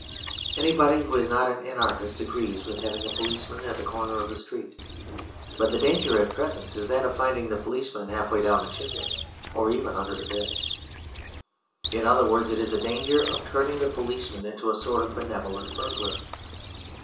Anybody who is not an anarchist agrees with having a policeman at the corner of the street; but the danger at present is that of finding the policeman half way down the chimney or even under the bed. In other words, it is a danger of turning the policeman into a sort of benevolent burglar.